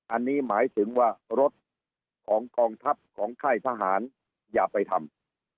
อันนี้หมายถึงว่ารถของกองทัพของค่ายทหารอย่าไปทำ